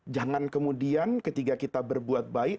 jangan kemudian ketika kita berbuat baik